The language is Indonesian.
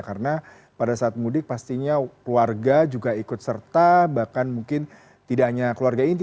karena pada saat mudik pastinya keluarga juga ikut serta bahkan mungkin tidak hanya keluarga inti